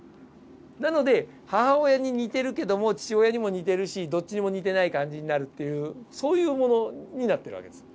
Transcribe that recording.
なので母親に似てるけども父親にも似てるしどっちにも似てない感じになるっていうそういうものになってる訳です。